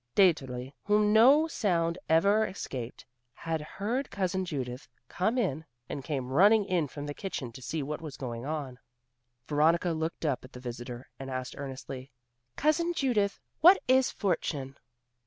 Dieterli, whom no sound ever escaped, had heard Cousin Judith come in, and came running in from the kitchen to see what was going on. Veronica looked up at the visitor and asked earnestly, "Cousin Judith, what is fortune?"